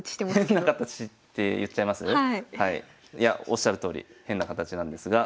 おっしゃるとおり変な形なんですが。